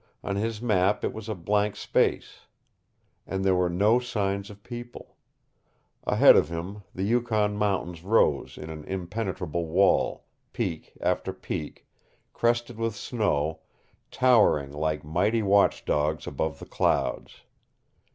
On his map it was a blank space. And there were no signs of people. Ahead of him the Yukon mountains rose in an impenetrable wall, peak after peak, crested with snow, towering like mighty watchdogs above the clouds.